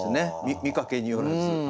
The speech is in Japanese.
見かけによらず。